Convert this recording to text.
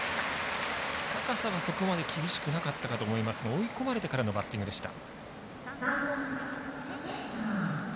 高さは、それほど厳しくはなかったと思いますが追い込まれてからのバッティングでした。